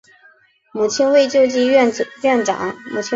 母亲为救济医院院长。